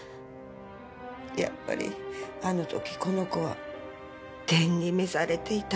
やっぱりあの時この子は天に召されていたんだわ。